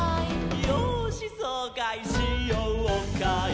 「よーしそうかいしようかい」